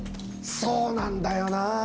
そうなんだよな。